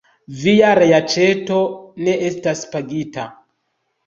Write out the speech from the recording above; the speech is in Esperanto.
Via reaĉeto ne estas pagita.